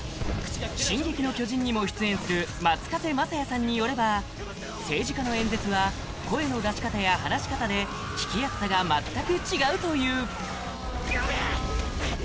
「進撃の巨人」にも出演する松風雅也さんによれば政治家の演説は声の出し方や話し方で聞きやすさが全く違うというガビ！